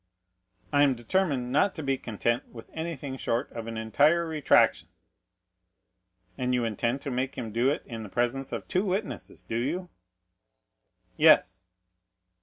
'" "I am determined not to be content with anything short of an entire retractation." "And you intend to make him do it in the presence of two witnesses, do you?" "Yes."